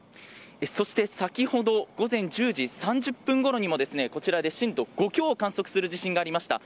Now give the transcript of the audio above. そして先ほど午前１０時３０分ごろにも、こちらで震度５強を観測する地震がありました。